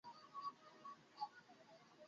জুনি আমার বাচ্চা, এটাও একটা জীবন।